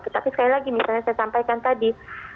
tetapi sekali lagi misalnya saya sampaikan tadi